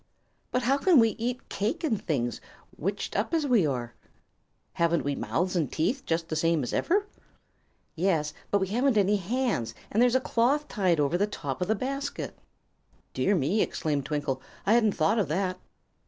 "But how can we eat cake and things, witched up as we are?" "Haven't we mouths and teeth, just the same as ever?" "Yes, but we haven't any hands, and there's a cloth tied over the top of the basket." "Dear me!" exclaimed Twinkle; "I hadn't thought of that."